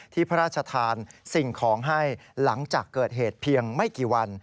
พระราชทานสิ่งของให้หลังจากเกิดเหตุเพียงไม่กี่วัน